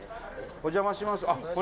お邪魔します。